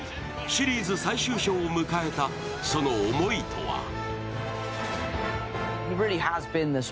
シリーズ最終章を迎えた、その思いとは？